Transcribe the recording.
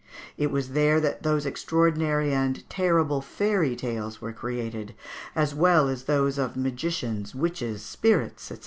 It was there that those extraordinary and terrible fairy tales were related, as well as those of magicians, witches, spirits, &c.